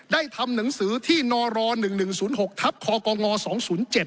ได้ทำหนังสือที่นร๑๑๐๖ทัพคง๒๐๗